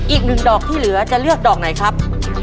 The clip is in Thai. อีกหนึ่งดอกที่เหลือจะเลือกดอกไหนครับ